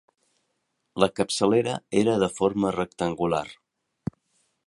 La capçalera era de forma rectangular.